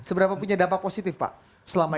seberapa punya dampak positif pak selama ini